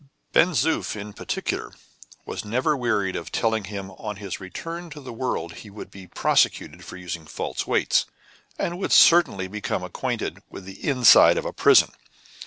Ben Zoof, in particular, was never wearied of telling him how on his return to the world he would be prosecuted for using false weights, and would certainly become acquainted with the inside of a prison.